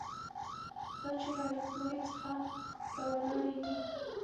دا چیغه له پوهې څخه راولاړېږي.